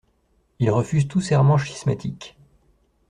Il refuse tout serment schismatique.